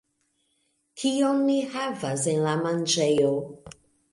Kion ni havas en la manĝejo